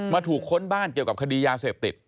ถูกค้นบ้านเกี่ยวกับคดียาเสพติด